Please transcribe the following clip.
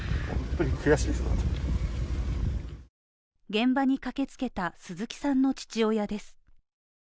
現場に駆けつけた鈴木さんの父親です。